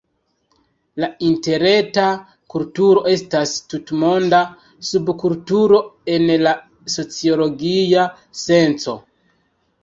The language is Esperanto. La interreta kulturo estas tutmonda subkulturo en la sociologia senco.